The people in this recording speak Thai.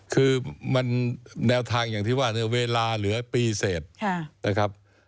คือแนวทางอย่างที่ว่าเวลาเหลือปีเสร็จ